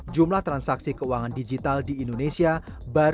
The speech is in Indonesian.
jumlah transaksi keuangan indonesia di indonesia masih lebih dari satu